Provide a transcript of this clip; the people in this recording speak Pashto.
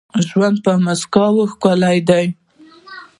ژوند په مسکاوو ښکلی دي.